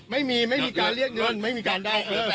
ไม่มีไม่มีการเรียกเงินไม่มีการได้